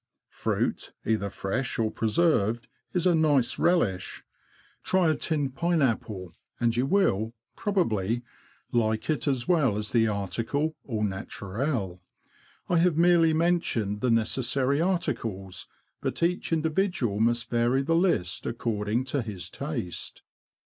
Fruit, either fresh or preserved, is a nice relish. Try a tinned pineapple, and you will, pro bably, like it as well as the article au naturel. I have merely mentioned the necessary articles, but each individual must vary the list according to his taste.